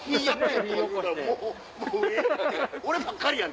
俺ばっかりやん！